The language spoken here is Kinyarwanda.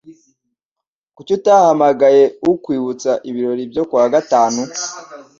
Kuki utahamagaye ukamwibutsa ibirori byo kuwa gatanu?